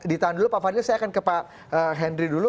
ditahan dulu pak fadil saya akan ke pak henry dulu